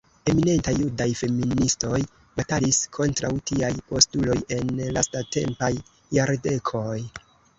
Eminentaj Judaj feministoj batalis kontraŭ tiaj postuloj en lastatempaj jardekoj.